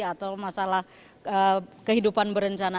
atau masalah kehidupan berencana